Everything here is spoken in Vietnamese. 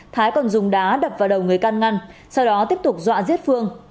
thái còn dùng đá đập vào đầu người căn ngăn sau đó tiếp tục dọa giết phương